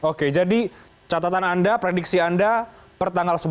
oke jadi catatan anda prediksi anda per tanggal